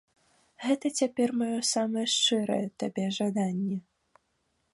Гэта цяпер маё самае шчырае табе жаданне.